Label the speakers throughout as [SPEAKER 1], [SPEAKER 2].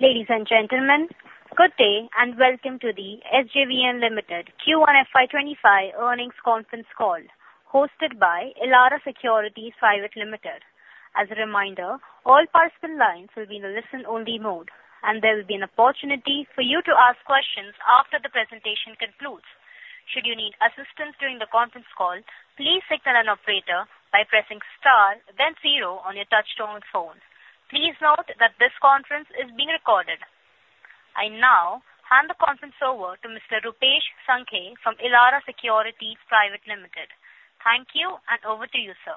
[SPEAKER 1] Ladies and gentlemen, good day, and welcome to the SJVN Limited Q1 FY 2025 earnings conference call, hosted by Elara Securities Private Limited. As a reminder, all participant lines will be in a listen-only mode, and there will be an opportunity for you to ask questions after the presentation concludes. Should you need assistance during the conference call, please signal an operator by pressing star then zero on your touchtone phone. Please note that this conference is being recorded. I now hand the conference over to Mr. Rupesh Sankhe from Elara Securities Private Limited. Thank you, and over to you, sir.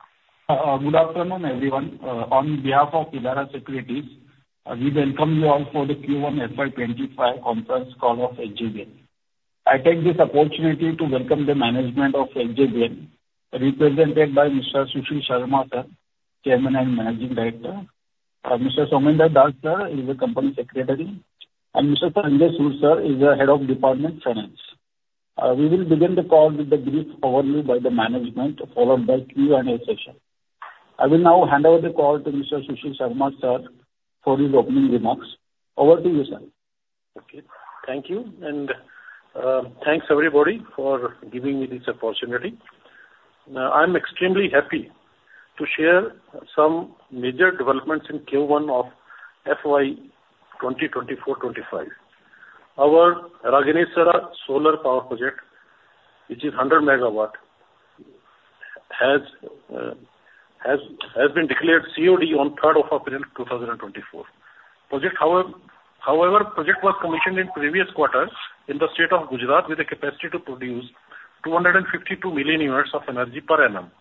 [SPEAKER 2] Good afternoon, everyone. On behalf of Elara Securities, we welcome you all for the Q1 FY 2025 conference call of SJVN. I take this opportunity to welcome the management of SJVN, represented by Mr. Sushil Sharma, sir, Chairman and Managing Director, Mr. Soumendra Das, sir, is the Company Secretary, and Mr. Sanjay Suri, sir, is the Head of Department Finance. We will begin the call with the brief overview by the management, followed by Q&A session. I will now hand over the call to Mr. Sushil Sharma, sir, for his opening remarks. Over to you, sir.
[SPEAKER 3] Okay. Thank you, and thanks, everybody, for giving me this opportunity. I'm extremely happy to share some major developments in Q1 of FY 2024-2025. Our Raghanesda Solar Power Project, which is 100 MW, has been declared COD on third of April 2024. Project, however, was commissioned in previous quarters in the state of Gujarat with a capacity to produce 252 million units of energy per annum.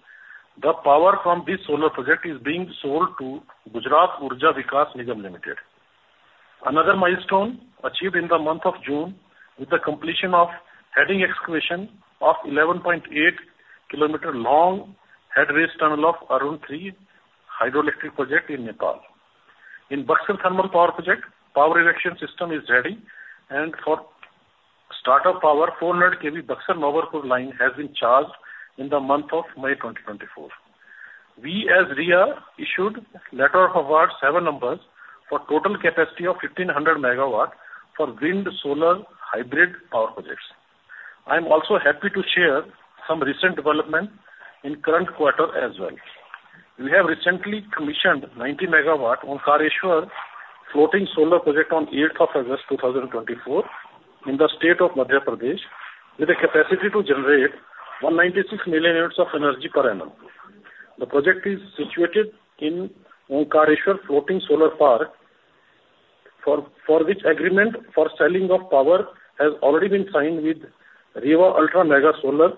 [SPEAKER 3] The power from this solar project is being sold to Gujarat Urja Vikas Nigam Limited. Another milestone achieved in the month of June with the completion of heading excavation of 11.8-kilometer-long headrace tunnel of Arun-3 Hydro Electric Project in Nepal. In Buxar Thermal Power Project, power erection system is ready, and for start of power, 400 kV Buxar-Mau line has been charged in the month of May 2024. We as REIA issued letter of award, 7 numbers, for total capacity of 1,500 MW for wind, solar, hybrid power projects. I'm also happy to share some recent development in current quarter as well. We have recently commissioned 90 MW Omkareshwar Floating Solar Project on eighth of August 2024, in the state of Madhya Pradesh, with a capacity to generate 196 million units of energy per annum. The project is situated in Omkareshwar Floating Solar Park, for which agreement for selling of power has already been signed with Rewa Ultra Mega Solar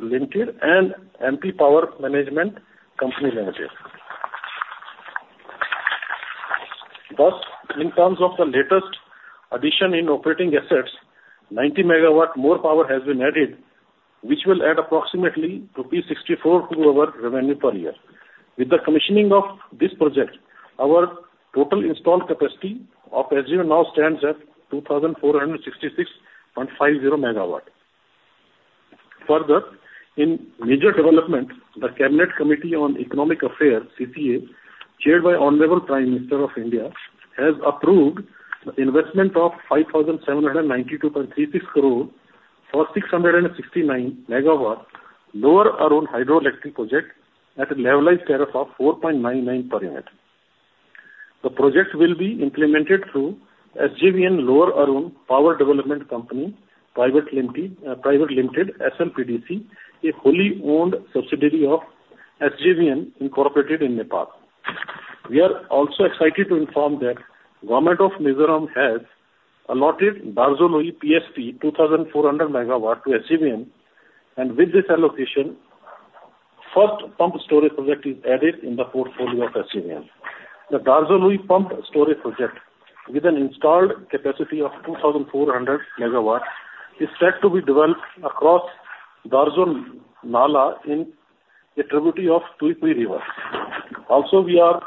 [SPEAKER 3] Limited and MP Power Management Company Limited. Thus, in terms of the latest addition in operating assets, 90 MW more power has been added, which will add approximately 64 crore rupees to our revenue per year. With the commissioning of this project, our total installed capacity of SJVN now stands at 2,466.50 MW. Further, in major development, the Cabinet Committee on Economic Affairs, CCEA, chaired by Honorable Prime Minister of India, has approved the investment of 5,792.36 crore for 669 MW Lower Arun Hydro Electric Project at a levelized tariff of 4.99 per unit. The project will be implemented through SJVN Lower Arun Power Development Company Private Limited, SLPDC, a wholly-owned subsidiary of SJVN, incorporated in Nepal. We are also excited to inform that Government of Mizoram has allotted Darzo Lui PSP 2,400 MW to SJVN, and with this allocation, first pumped storage project is added in the portfolio of SJVN. The Darzo Lui Pumped Storage Project, with an installed capacity of 2,400 MW, is set to be developed across Darzo Lui in a tributary of Tuipui River. Also, we are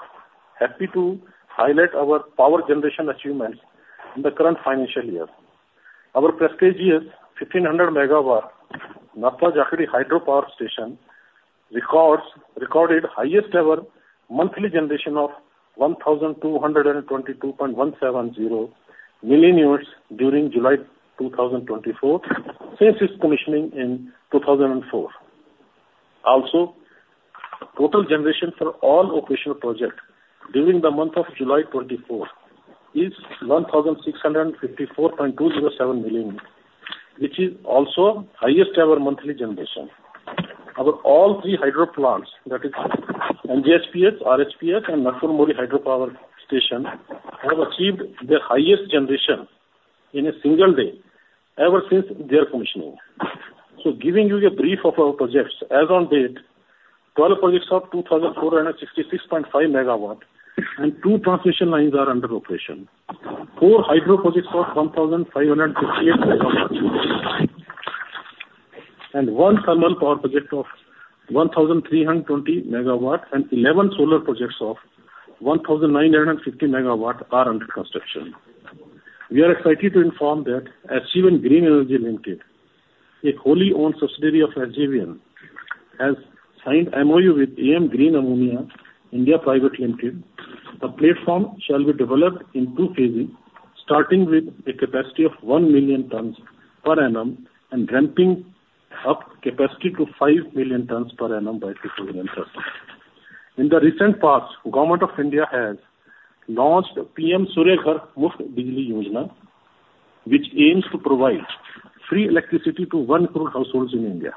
[SPEAKER 3] happy to highlight our power generation achievements in the current financial year. Our prestigious 1,500 MW Nathpa Jhakri Hydro Power Station recorded highest ever monthly generation of 1,222.170 million units during July 2024, since its commissioning in 2004. Also, total generation for all operational projects during the month of July 2024 is 1,654.207 million units, which is also highest ever monthly generation. Our all three hydro plants, that is, NJHPS, RHPS, and Naitwar Mori Hydro Power Station, have achieved their highest generation in a single day, ever since their commissioning. So giving you a brief of our projects, as on date, 12 projects of 2,466.5 MW and two transmission lines are under operation. Four hydro projects of 1,558 MW, and one thermal power project of 1,320 MW and eleven solar projects of 1,950 MW are under construction. We are excited to inform that SJVN Green Energy Limited, a wholly owned subsidiary of SJVN, has signed MoU with AM Green Ammonia (India) Private Limited. The platform shall be developed in two phases, starting with a capacity of 1 million tons per annum and ramping up capacity to 5 million tons per annum by 2030. In the recent past, Government of India has launched PM Surya Ghar: Muft Bijli Yojana, which aims to provide free electricity to 1 crore households in India.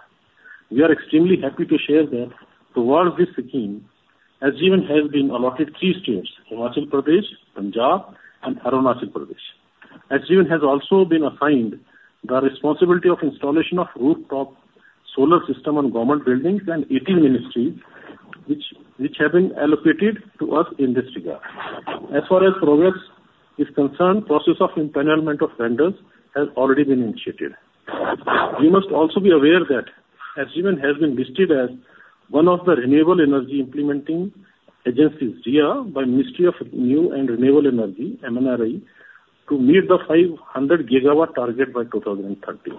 [SPEAKER 3] We are extremely happy to share that towards this scheme, SJVN has been allotted three states, Himachal Pradesh, Punjab, and Arunachal Pradesh. SJVN has also been assigned the responsibility of installation of rooftop solar system on government buildings and 18 ministries, which have been allocated to us in this regard. As far as progress is concerned, process of empanelment of vendors has already been initiated. You must also be aware that SJVN has been listed as one of the Renewable Energy Implementing Agencies, REIA, by Ministry of New and Renewable Energy, MNRE, to meet the 500 gigawatt target by 2030.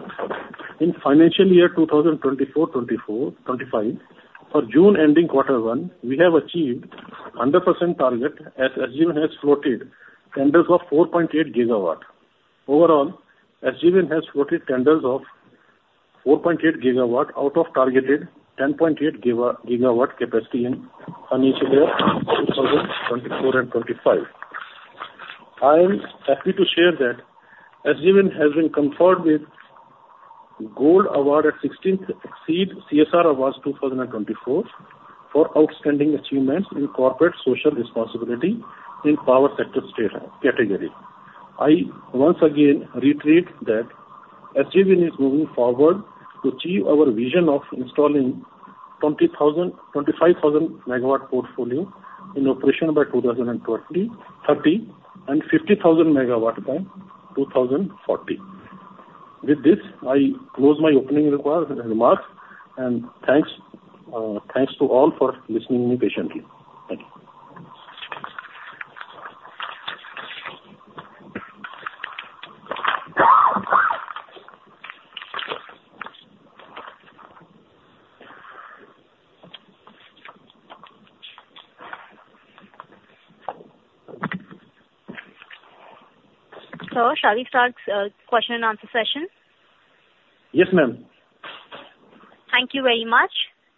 [SPEAKER 3] In financial year 2024-2025, for June ending quarter one, we have achieved 100% target as SJVN has floated tenders of 4.8 gigawatt. Overall, SJVN has floated tenders of 4.8 gigawatt out of targeted 10.8 gigawatt capacity in financial year 2024-2025. I am happy to share that SJVN has been conferred with Gold Award at sixteenth Exceed CSR Awards 2024, for outstanding achievements in corporate social responsibility in power sector state category. I once again reiterate that SJVN is moving forward to achieve our vision of installing 20,000-25,000 MW portfolio in operation by 2030, and 50,000 MW by 2040. With this, I close my opening remarks, and thanks to all for listening to me patiently. Thank you.
[SPEAKER 1] So shall we start, Q&A session?
[SPEAKER 3] Yes, ma'am.
[SPEAKER 1] Thank you very much.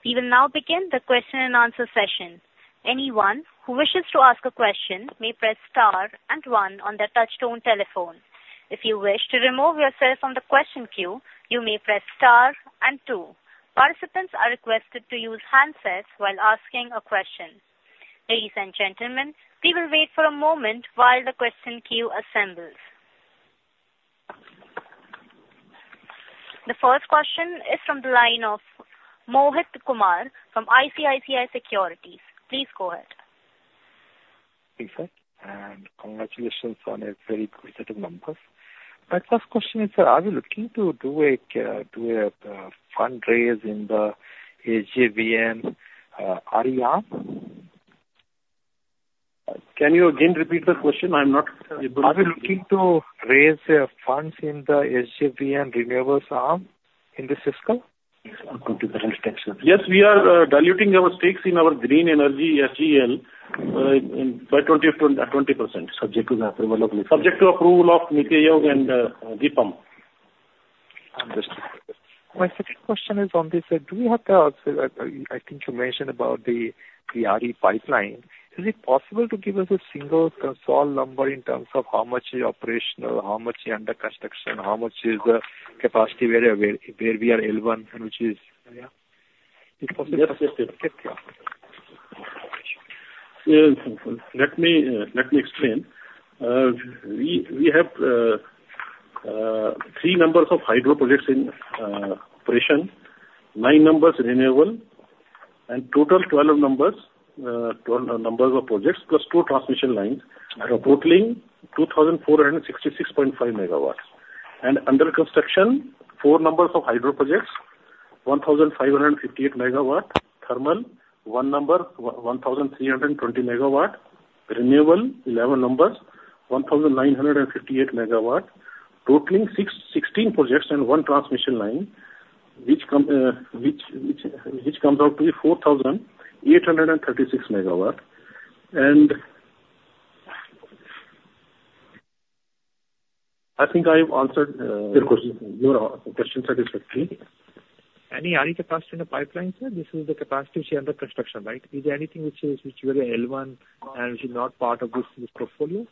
[SPEAKER 1] We will now begin the question and answer session. Anyone who wishes to ask a question may press star and one on their touchtone telephone. If you wish to remove yourself from the question queue, you may press star and two. Participants are requested to use handsets while asking a question. Ladies and gentlemen, we will wait for a moment while the question queue assembles. The first question is from the line of Mohit Kumar, from ICICI Securities. Please go ahead.
[SPEAKER 4] Thanks, sir, and congratulations on a very good set of numbers. My first question is, sir: are you looking to do a fundraise in the SJVN RE arm?
[SPEAKER 3] Can you again repeat the question? I'm not able to-
[SPEAKER 4] Are you looking to raise funds in the SJVN renewables arm in this fiscal?
[SPEAKER 3] Yes, we are diluting our stakes in our green energy, SGEL, by 20%.
[SPEAKER 4] Subject to the approval of the-
[SPEAKER 3] Subject to approval of NITI Aayog and DIPAM.
[SPEAKER 4] Understood. My second question is on this, do you have the, I think you mentioned about the RE pipeline. Is it possible to give us a single solid number in terms of how much is operational, how much is under construction, how much is the capacity where we are L1, and which is, yeah? Is it possible-
[SPEAKER 3] Yes, yes, yes.
[SPEAKER 4] Okay.
[SPEAKER 3] Let me explain. We have three numbers of hydro projects in operation, nine numbers renewable, and total 12 numbers of projects, plus 2 transmission lines, totaling 2,466.5 megawatts. Under construction, four numbers of hydro projects, 1,558 megawatt thermal, one number, one thousand three hundred and twenty megawatt; renewable, 11 numbers, 1,958 megawatt, totaling 16 projects and one transmission line, which comes out to be 4,836 megawatt. And I think I have answered your question satisfactorily.
[SPEAKER 4] Any RE capacity in the pipeline, sir? This is the capacity which is under construction, right? Is there anything which is, which is L1 and which is not part of this, this portfolio?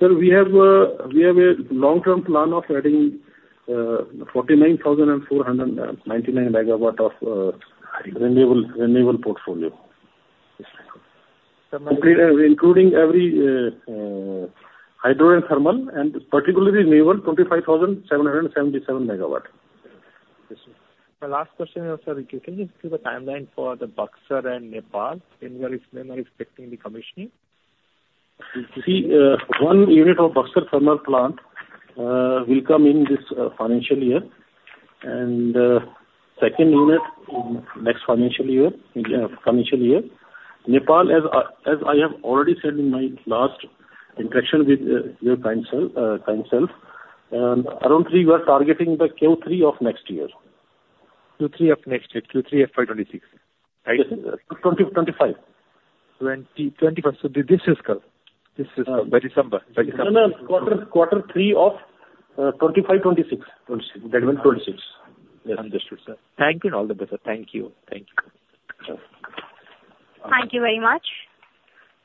[SPEAKER 3] Sir, we have, we have a long-term plan of adding 49,499 megawatts of renewable portfolio.
[SPEAKER 4] Yes, thank you.
[SPEAKER 3] Including every hydro and thermal, and particularly renewable, 25,777 MW.
[SPEAKER 4] Yes. My last question is, sir, can you give the timeline for the Buxar and Nepal, when we are, when we are expecting the commissioning?
[SPEAKER 3] You see, one unit of Buxar thermal plant will come in this financial year. Second unit in next financial year, in financial year. Nepal, as I, as I have already said in my last interaction with your kind self, kind self, Arun-3, we are targeting the Q3 of next year.
[SPEAKER 4] Q3 of next year, Q3 of 2026, right?
[SPEAKER 3] 2025.
[SPEAKER 4] 2025. So this fiscal, by December.
[SPEAKER 3] No, no. Q3 of 2025, 2026.
[SPEAKER 4] 2026.
[SPEAKER 3] That means 2026.
[SPEAKER 4] Understood, sir. Thank you, and all the best, sir. Thank you. Thank you.
[SPEAKER 1] Thank you very much.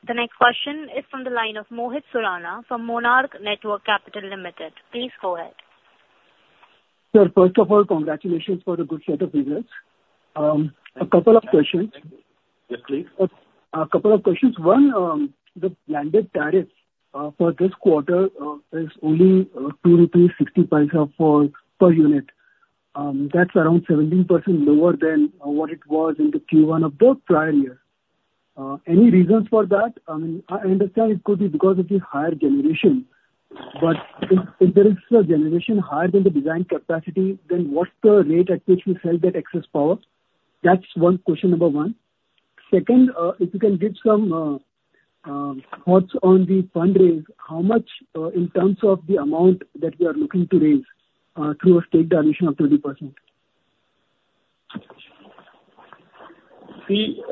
[SPEAKER 1] The next question is from the line of Mohit Surana from Monarch Networth Capital Limited. Please go ahead.
[SPEAKER 5] Sir, first of all, congratulations for the good set of results. A couple of questions.
[SPEAKER 3] Yes, please.
[SPEAKER 5] A couple of questions. One, the blended tariff for this quarter is only 2.60 rupees per unit. That's around 17% lower than what it was in the Q1 of the prior year. Any reasons for that? I mean, I understand it could be because of the higher generation, but if, if there is a generation higher than the design capacity, then what's the rate at which we sell that excess power? That's one, question number one. Second, if you can give some thoughts on the fundraise, how much, in terms of the amount that you are looking to raise, through a stake dilution of 30%?
[SPEAKER 3] See,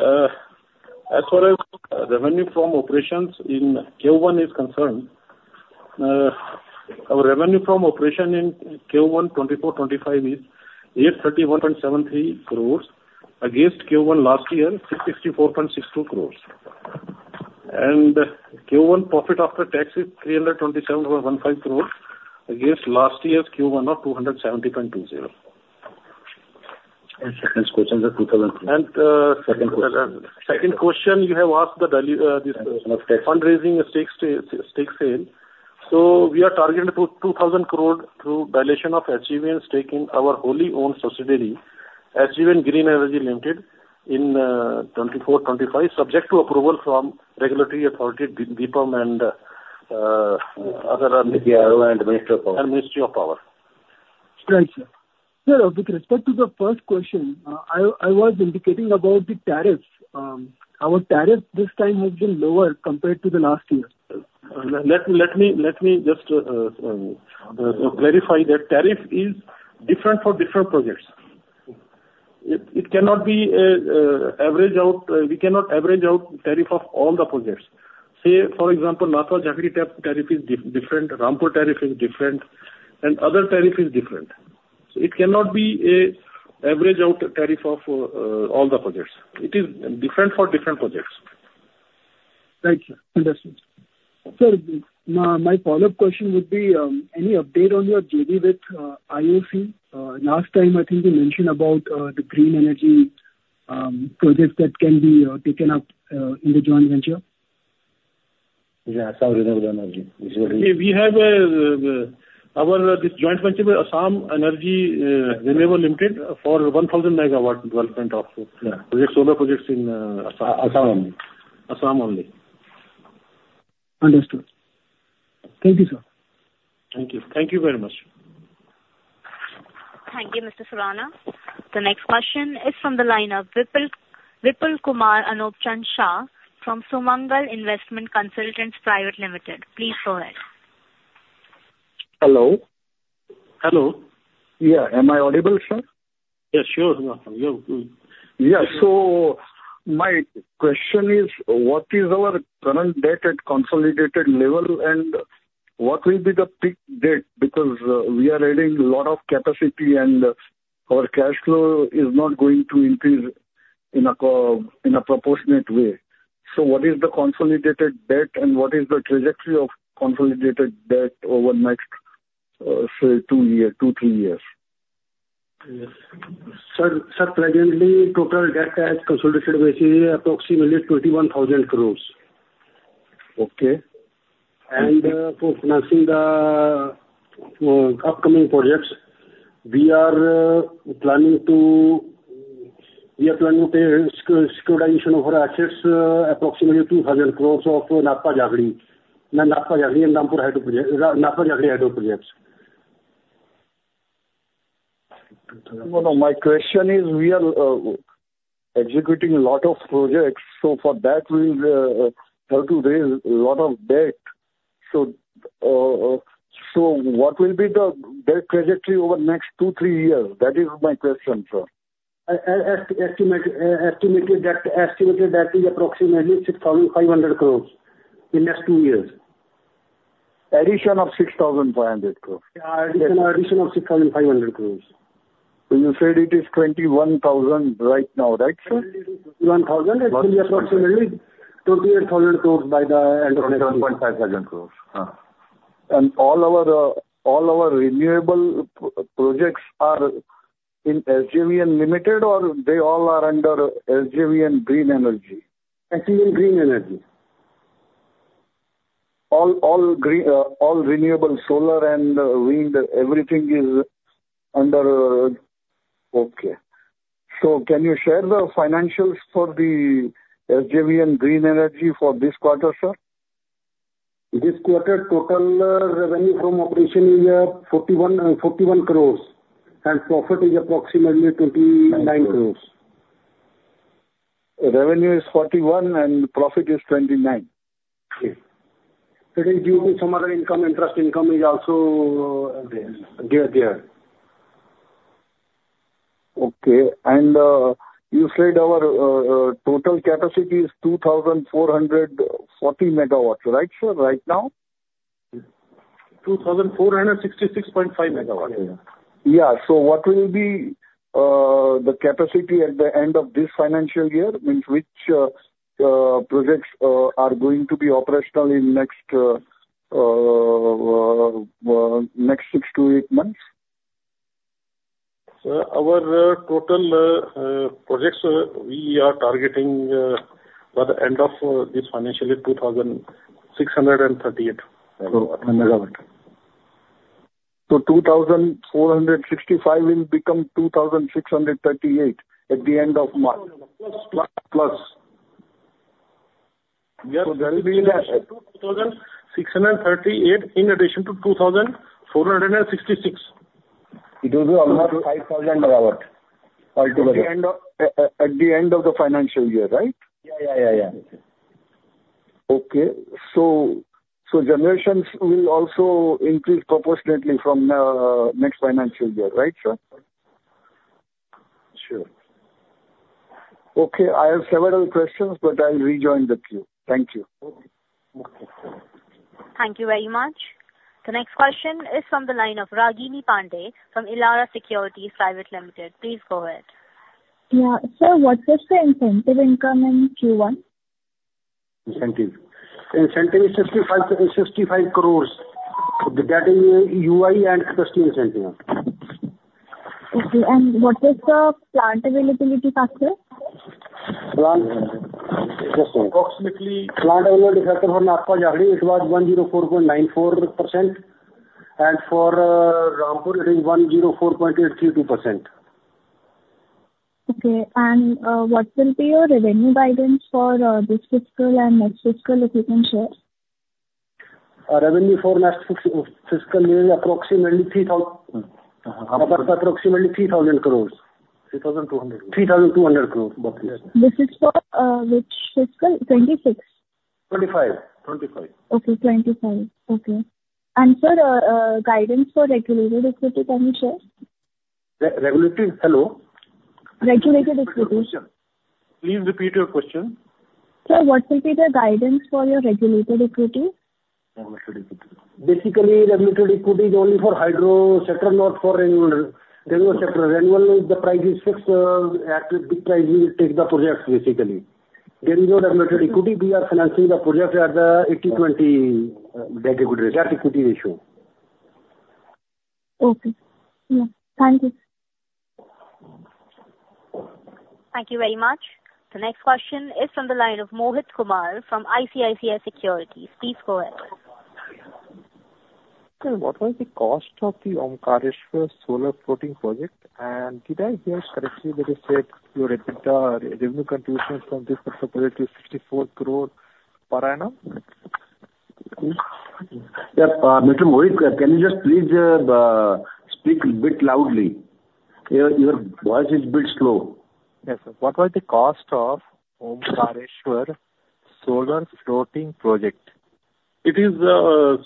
[SPEAKER 3] as far as revenue from operations in Q1 is concerned, our revenue from operation in Q1 2024-2025 is INR 831.73 crores, against Q1 last year, 64.62 crores. Q1 profit after tax is 327.15 crores, against last year's Q1 of 270.20.
[SPEAKER 6] Second question, sir...
[SPEAKER 3] And, uh-
[SPEAKER 6] Second question.
[SPEAKER 3] Second question you have asked the delay, this question of fundraising stakes, stake sale. So we are targeting 2,000 crore through dilution of SJVN stake in our wholly owned subsidiary, SJVN Green Energy Limited, in 2024-2025, subject to approval from regulatory authority, DIPAM and other NITI Aayog and Ministry of Power Ministry of Power.
[SPEAKER 5] Right, sir. Sir, with respect to the first question, I was indicating about the tariff. Our tariff this time has been lower compared to the last year.
[SPEAKER 3] Let me just verify that tariff is different for different projects. It cannot be averaged out. We cannot average out tariff of all the projects. Say, for example, Nathpa Jhakri tariff is different, Rampur tariff is different, and other tariff is different. So it cannot be an averaged-out tariff of all the projects. It is different for different projects.
[SPEAKER 5] Thank you. Understood. Sir, now, my follow-up question would be, any update on your JV with, IOC? Last time I think you mentioned about, the green energy, projects that can be, taken up, in the joint venture.
[SPEAKER 6] Yeah, Assam Renewable Energy.
[SPEAKER 3] We, we have our this joint venture with Assam Renewable Energy Limited for 1,000 MW development of projects, solar projects in, Assam. Assam only.
[SPEAKER 5] Understood. Thank you, sir.
[SPEAKER 3] Thank you. Thank you very much.
[SPEAKER 1] Thank you, Mr. Surana. The next question is from the line of Vipul, Vipul Kumar Anupchand Shah from Sumangal Investment Consultants Private Limited. Please go ahead.
[SPEAKER 7] Hello?
[SPEAKER 3] Hello.
[SPEAKER 7] Yeah. Am I audible, sir?
[SPEAKER 3] Yes, sure, sir.
[SPEAKER 7] Yeah. So my question is, what is our current debt at consolidated level, and what will be the peak date? Because we are adding a lot of capacity, and our cash flow is not going to increase in a proportionate way. So what is the consolidated debt, and what is the trajectory of consolidated debt over the next, say, 2-3 years?
[SPEAKER 3] Yes. Sir, sir, presently, total debt as consolidation was approximately INR 21,000 crore.
[SPEAKER 7] Okay.
[SPEAKER 3] For financing the upcoming projects, we are planning to, we are planning to pay securitization of our assets, approximately INR 2,000 crore of Nathpa Jhakri, no, Nathpa Jhakri and Rampur Hydro Project, Nathpa Jhakri Hydro Projects.
[SPEAKER 7] No, no. My question is, we are executing a lot of projects, so for that we'll have to raise a lot of debt. So, so what will be the debt trajectory over the next 2, 3 years? That is my question, sir.
[SPEAKER 3] Estimated debt is approximately 6,500 crore in next two years.
[SPEAKER 7] Addition of 6,500 crore?
[SPEAKER 3] Yeah, addition, addition of 6,500 crore.
[SPEAKER 7] You said it is 21,000 right now, right, sir?
[SPEAKER 3] 1,000, it will be approximately 28,000 crore by the end of next year.
[SPEAKER 7] 28,500 crore. Huh. And all our all our renewable projects are in SJVN Limited, or they all are under SJVN Green Energy?
[SPEAKER 3] SJVN Green Energy.
[SPEAKER 7] All, all green, all renewable solar and wind, everything is under... Okay. So can you share the financials for the SJVN Green Energy for this quarter, sir?
[SPEAKER 3] ...This quarter, total revenue from operation is 41 crore, and profit is approximately 29 crore.
[SPEAKER 7] Revenue is 41 and profit is 29?
[SPEAKER 3] Yes. It is due to some other income, interest income is also, there, there.
[SPEAKER 7] Okay. And, you said our total capacity is 2,400 MW, right, sir, right now?
[SPEAKER 3] 2,466.5 MW.
[SPEAKER 7] Yeah. So what will be the capacity at the end of this financial year? Means which next 6-8 months?
[SPEAKER 3] Our total projects we are targeting by the end of this financial year, 2,638 MW.
[SPEAKER 7] 2,465 will become 2,638 at the end of March.
[SPEAKER 3] Plus.
[SPEAKER 7] Plus.
[SPEAKER 3] We are-
[SPEAKER 7] So there will be-
[SPEAKER 3] 2,638, in addition to 2,466. It will be almost 5,000 MW altogether.
[SPEAKER 7] At the end of the financial year, right?
[SPEAKER 3] Yeah, yeah, yeah, yeah.
[SPEAKER 7] Okay. So, generations will also increase proportionately from next financial year, right, sir? Sure. Okay, I have several questions, but I'll rejoin the queue. Thank you.
[SPEAKER 3] Okay.
[SPEAKER 1] Thank you very much. The next question is from the line of Ragini Pande, from Elara Securities Private Limited. Please go ahead.
[SPEAKER 8] Yeah. Sir, what is the incentive income in Q1?
[SPEAKER 3] Incentive. Incentive is 65 crore, 65 crore. That is UI and incentive.
[SPEAKER 8] Okay. And what is the plant availability factor?
[SPEAKER 3] Plant, just one moment. Approximately, plant availability factor for Nathpa Jhakri, it was 104.94%, and for Rampur, it is 104.832%.
[SPEAKER 8] Okay. And what will be your revenue guidance for this fiscal and next fiscal, if you can share?
[SPEAKER 3] Our revenue for next fiscal year is approximately INR 3,000-
[SPEAKER 6] Uh-huh.
[SPEAKER 3] Approximately INR 3,000 crore.
[SPEAKER 6] INR 3,200.
[SPEAKER 3] INR 3,200 crore.
[SPEAKER 8] This is for, which fiscal? 2026?
[SPEAKER 3] 2025.
[SPEAKER 6] 2025.
[SPEAKER 8] Okay, 2025. Okay. Sir, guidance for regulated equity, can you share?
[SPEAKER 3] Reg, regulatory? Hello.
[SPEAKER 8] Regulated equity.
[SPEAKER 3] Please repeat your question.
[SPEAKER 8] Sir, what will be the guidance for your regulated equity?
[SPEAKER 6] Regulated equity.
[SPEAKER 3] Basically, regulated equity is only for hydro sector, not for renewable, renewable sector. Renewable, the price is fixed at the price we will take the project, basically. Then we go regulated equity, we are financing the project at the 80/20 debt equity, debt equity ratio.
[SPEAKER 5] Okay. Yeah. Thank you.
[SPEAKER 1] Thank you very much. The next question is from the line of Mohit Kumar from ICICI Securities. Please go ahead.
[SPEAKER 4] Sir, what was the cost of the Omkareshwar Floating Solar Project? And did I hear correctly that you said your EBITDA revenue contribution from this particular project is 64 crore per annum?
[SPEAKER 3] Yeah, Mr. Mohit, can you just please, speak a bit loudly? Your voice is a bit low.
[SPEAKER 4] Yes, sir. What was the cost of Omkareshwar Solar Floating project?
[SPEAKER 3] It is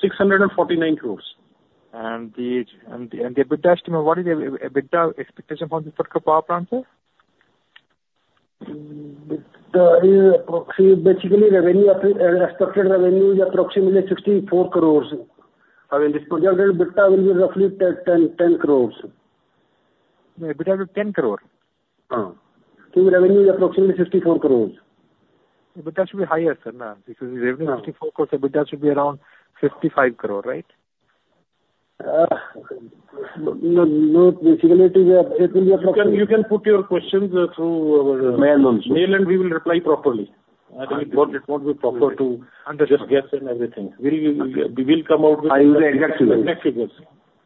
[SPEAKER 3] 649 crore.
[SPEAKER 4] And the EBITDA estimate, what is the EBITDA expectation from the particular power plant, sir?
[SPEAKER 3] The EBITDA is approximately, basically revenue, expected revenue is approximately 64 crore. I mean, this project, EBITDA will be roughly 10, 10 crore.
[SPEAKER 4] EBITDA is INR 10 crore?
[SPEAKER 3] Team revenue is approximately 64 crore.
[SPEAKER 4] EBITDA should be higher, sir, no? Because if revenue 64 crore, EBITDA should be around 55 crore, right?
[SPEAKER 3] No, no, basically it is-
[SPEAKER 6] You can, you can put your questions through our Mail also. Mail, and we will reply properly.
[SPEAKER 4] I understand.
[SPEAKER 6] It won't be proper to-
[SPEAKER 4] Understand.
[SPEAKER 6] Just guess and everything. We will come out with the-
[SPEAKER 3] I will give exact figures. Exact figures.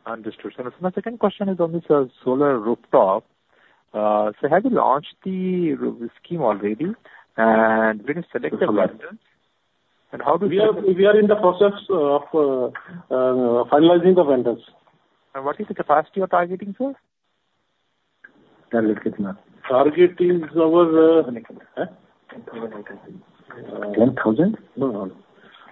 [SPEAKER 4] Understood, sir. So my second question is on the solar rooftop. So have you launched the scheme already? And we selected the vendors, and how do we-
[SPEAKER 3] We are, we are in the process of finalizing the vendors.
[SPEAKER 4] What is the capacity you're targeting, sir?
[SPEAKER 6] Tell him, Kitna.
[SPEAKER 3] Target is our...
[SPEAKER 6] Eh? 10,000.
[SPEAKER 4] Ten thousand?
[SPEAKER 3] No, no. I,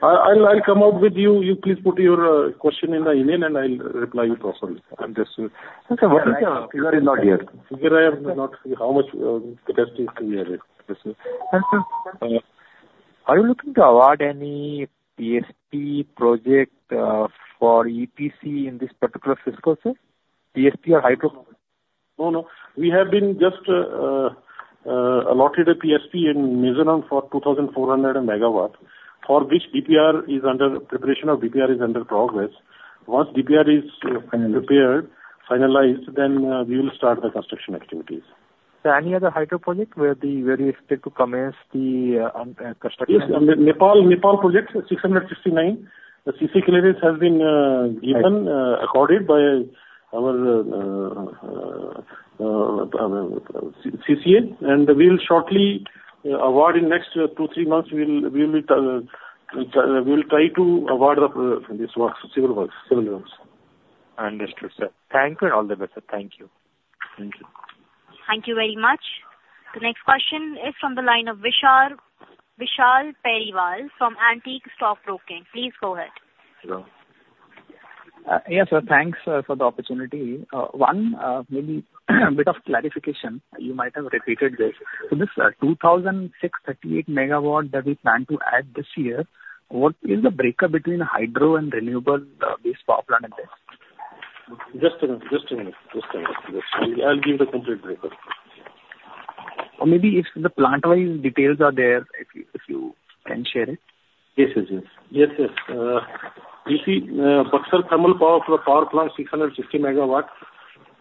[SPEAKER 3] I'll come out with you. You please put your question in the email and I'll reply you properly.
[SPEAKER 4] Understood. Sir, what is the-
[SPEAKER 6] Figure is not yet.
[SPEAKER 3] I have not figured how much capacity is to be added.
[SPEAKER 4] Yes, sir. And, sir, are you looking to award any PSP project for EPC in this particular fiscal, sir? PSP or hydro?
[SPEAKER 3] No, no. We have been just allotted a PSP in Mizoram for 2,400 MW. For this, preparation of DPR is under progress. Once DPR is prepared, finalized, then, we will start the construction activities.
[SPEAKER 4] Any other hydro project where you expect to commence the construction?
[SPEAKER 3] Yes, Nepal, Nepal project, 669. The CCEA clearance has been given, accorded by our CCEA, and we will shortly award in next two, three months, we will, we will be, we'll try to award the this works, civil works, civil works.
[SPEAKER 4] ...Understood, sir. Thank you, and all the best, sir. Thank you. Thank you.
[SPEAKER 1] Thank you very much. The next question is from the line of Vishal, Vishal Periwal from Antique Stock Broking. Please go ahead.
[SPEAKER 9] Hello. Yes, sir. Thanks for the opportunity. One, maybe bit of clarification, you might have repeated this. So this 2,638 MW that we plan to add this year, what is the breakup between hydro and renewable base power plant in this?
[SPEAKER 3] Just a minute, just a minute, just a minute. I'll give the complete breakup.
[SPEAKER 9] Or maybe if the plant-wide details are there, if you, if you can share it.
[SPEAKER 3] Yes, yes, yes. Yes, yes. You see, Buxar Thermal Power Plant, 660 MW,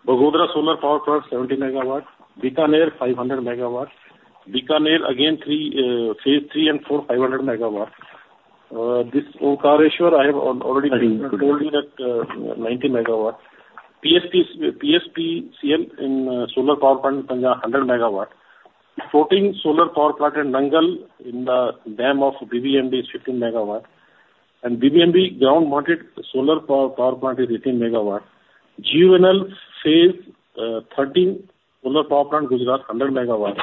[SPEAKER 3] Bagodara Solar Power Plant, 70 MW, Bikaner, 500 MW. Bikaner again, phase 3 and 4, 500 MW. This Omkareshwar, I have already told you that, 90 MW. PSPCL solar power plant, 100 MW. 14 solar power plants in Nangal, in the dam of BBMB is 15 MW, and BBMB ground-mounted solar power plant is 18 MW. GUVNL phase 13 solar power plant Gujarat, 100 MW.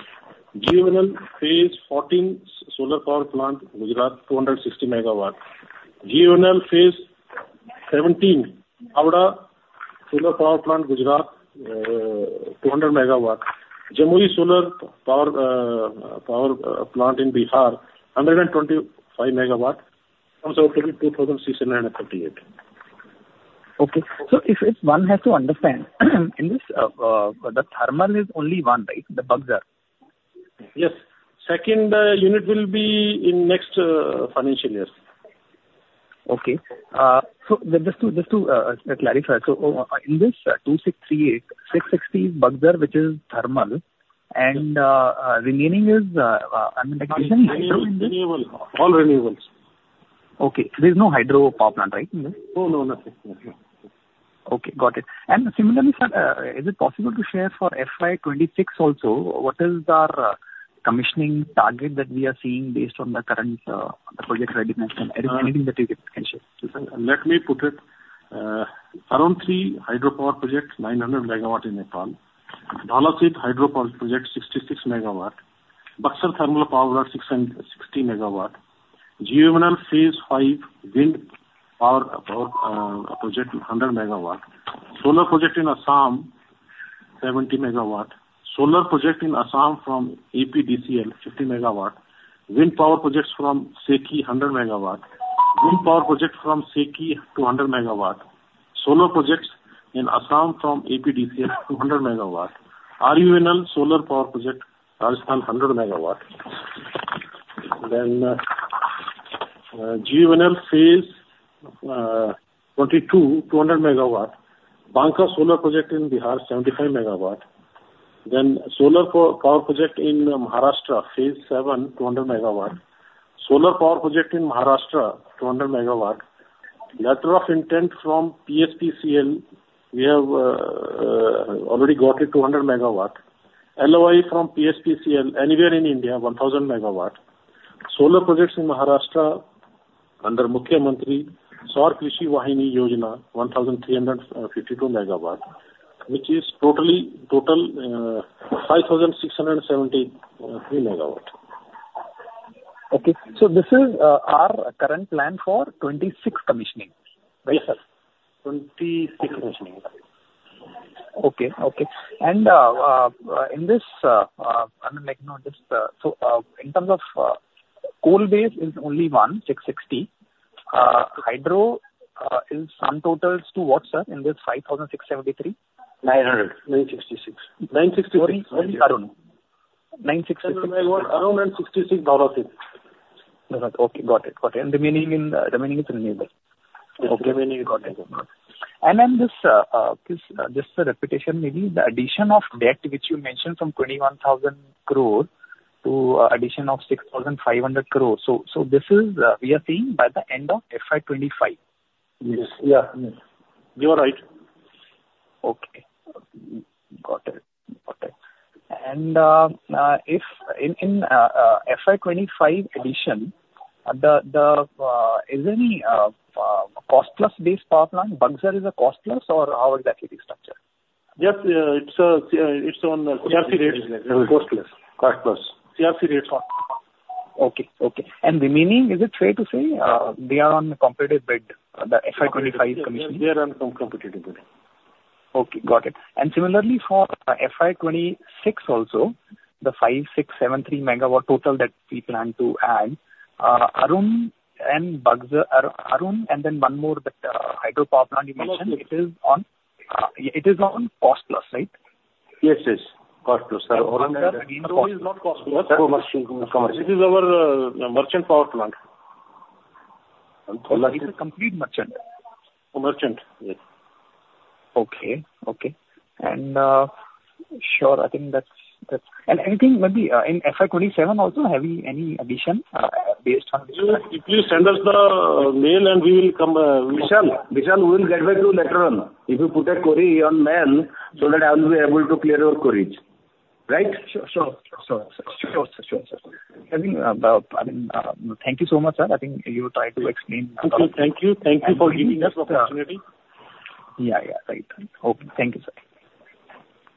[SPEAKER 3] GUVNL phase 14 solar power plant Gujarat, 260 MW. GUVNL phase 17, Khavda Solar Power Plant, Gujarat, 200 MW. Jamui Solar Power Plant in Bihar, 125 MW, comes out to be 2,638.
[SPEAKER 9] Okay. So if, if one has to understand, in this, the thermal is only one, right? The Buxar.
[SPEAKER 3] Yes. Second unit will be in next financial year.
[SPEAKER 9] Okay. So just to clarify, so in this 2,638, 660 is Buxar, which is thermal, and remaining is, I mean-
[SPEAKER 3] Renewable. All renewables.
[SPEAKER 9] Okay. There's no hydro power plant, right?
[SPEAKER 3] No, no, nothing. No hydro.
[SPEAKER 9] Okay, got it. And similarly, sir, is it possible to share for FY 2026 also, what is our commissioning target that we are seeing based on the current, the project readiness and anything that you can share?
[SPEAKER 3] Let me put it, Arun-3 hydropower project, 900 MW in Nepal. Dhaulasidh hydropower project, 66 MW. Buxar thermal power plant, 660 MW. GUVNL phase five, wind power project, 100 MW. Solar project in Assam, 70 MW. Solar project in Assam from APDCL, 50 MW. Wind power projects from SECI, 100 MW. Wind power project from SECI, 200 MW. Solar projects in Assam from APDCL, 200 MW. RUVNL solar power project, Rajasthan, 100 MW. Then, GUVNL phase twenty-two, 200 MW. Banka solar project in Bihar, 75 MW. Then solar power project in Maharashtra, phase seven, 200 MW. Solar power project in Maharashtra, 200 MW. Letter of intent from PSPCL, we have already got it, 200 MW. LOI from PSPCL, anywhere in India, 1,000 MW. Solar projects in Maharashtra, under Mukhyamantri Saur Krishi Vahini Yojana, 1,352 MW, which is total 5,673 MW.
[SPEAKER 9] Okay. So this is our current plan for 2026 commissioning, right?
[SPEAKER 3] Yes, sir. 26 commissioning.
[SPEAKER 9] Okay, okay. And in this, I mean, like, not just... So, in terms of, coal base is only 1,660. Hydro, in sum totals to what, sir, in this 5,673?
[SPEAKER 3] 900. 966. 966.
[SPEAKER 9] What is Arun? 9,666.
[SPEAKER 3] Arun and 66 Dhaulasidh.
[SPEAKER 9] Okay, got it. Got it. And the remaining is renewable.
[SPEAKER 3] Yes, remaining-
[SPEAKER 9] Got it. And then this, just a repetition, maybe the addition of debt, which you mentioned from 21,000 crore to addition of 6,500 crore. So, this is, we are seeing by the end of FY 2025?
[SPEAKER 3] Yes. Yeah. You are right.
[SPEAKER 9] Okay. Got it. Got it. And, if in FY 2025 addition, is there any cost plus based power plant? Buxar is a cost plus or how exactly is structured?
[SPEAKER 3] Yes, it's on CRC rates.
[SPEAKER 6] Cost plus. Cost plus.
[SPEAKER 3] CRC rates.
[SPEAKER 9] Okay. Okay. And the meaning, is it fair to say, they are on competitive bid, the FY 2025 commissioning?
[SPEAKER 3] They are on competitive bid.
[SPEAKER 9] Okay, got it. And similarly for FY 2026 also, the 5,673 MW total that we plan to add, Arun and Buxar, Arun-3 and then one more, that hydropower plant you mentioned, it is not on cost plus, right?
[SPEAKER 3] Yes, yes. Cost plus.
[SPEAKER 6] Arun is not cost plus.
[SPEAKER 3] This is our merchant power plant.
[SPEAKER 6] It is a complete merchant.
[SPEAKER 3] A merchant, yes.
[SPEAKER 9] Okay. Okay. And, sure, I think that's, that's... And anything, maybe, in FY 27 also, have we any addition based on this-
[SPEAKER 3] Please send us the mail and we will come.
[SPEAKER 6] Vishal, Vishal, we will get back to you later on. If you put a query on mail, so that I will be able to clear your queries.
[SPEAKER 9] ...Right? Sure, sure, sure, sure, sure, sure. I mean, I mean, thank you so much, sir. I think you tried to explain.
[SPEAKER 3] Thank you. Thank you for giving us the opportunity.
[SPEAKER 9] Yeah. Yeah, right. Okay. Thank you, sir.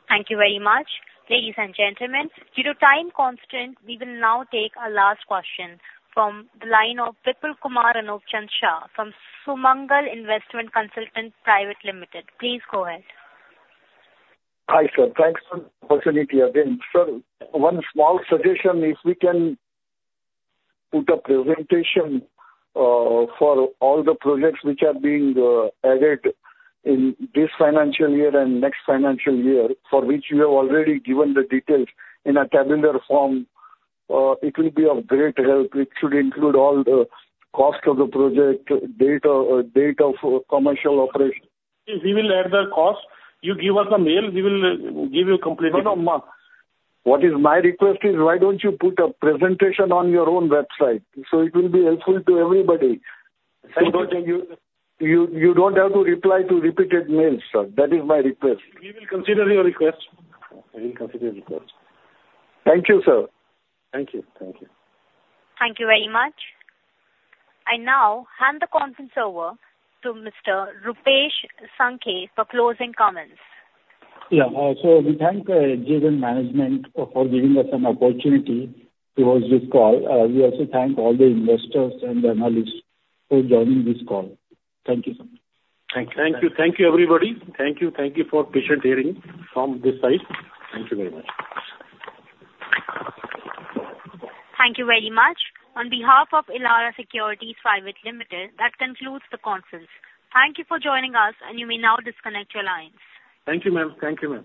[SPEAKER 1] Thank you very much. Ladies and gentlemen, due to time constraint, we will now take our last question from the line of Vipul Kumar Anupchand Shah from Sumangal Investment Consultants Private Limited. Please go ahead.
[SPEAKER 7] Hi, sir. Thanks for the opportunity again. Sir, one small suggestion, if we can put a presentation for all the projects which are being added in this financial year and next financial year, for which you have already given the details in a tabular form, it will be of great help. It should include all the cost of the project, date of, date of commercial operation.
[SPEAKER 3] We will add the cost. You give us a mail, we will give you a complete-
[SPEAKER 7] No, no, ma'am. What is my request is why don't you put a presentation on your own website so it will be helpful to everybody? You don't have to reply to repeated mails, sir. That is my request.
[SPEAKER 3] We will consider your request.
[SPEAKER 7] Thank you, sir.
[SPEAKER 3] Thank you. Thank you.
[SPEAKER 1] Thank you very much. I now hand the conference over to Mr. Rupesh Sankhe for closing comments.
[SPEAKER 2] Yeah. So we thank SJVN management for giving us an opportunity towards this call. We also thank all the investors and analysts for joining this call. Thank you so much.
[SPEAKER 3] Thank you. Thank you, everybody. Thank you. Thank you for patient hearing from this side. Thank you very much.
[SPEAKER 1] Thank you very much. On behalf of Elara Securities Private Limited, that concludes the conference. Thank you for joining us, and you may now disconnect your lines.
[SPEAKER 2] Thank you, ma'am. Thank you, ma'am.